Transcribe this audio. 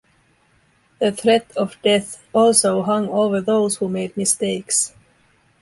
The threat of death also hung over those who made mistakes.